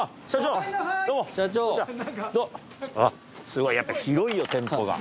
すごいやっぱ広いよ店舗が。